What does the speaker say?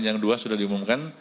yang dua sudah diumumkan